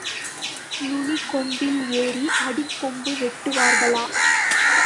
நுனிக்கொம்பில் ஏறி அடிக்கொம்பு வெட்டுவார்களா?